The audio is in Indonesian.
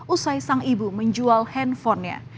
usai sang ibu menjual handphonenya